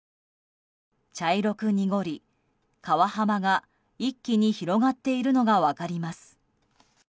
茶色く濁り、川幅が一気に広がっているのが分かります。